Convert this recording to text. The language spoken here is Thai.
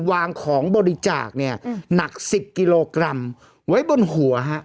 วางของบริจาคเนี่ยหนัก๑๐กิโลกรัมไว้บนหัวฮะ